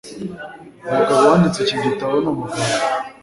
Umugabo wanditse iki gitabo ni umuganga.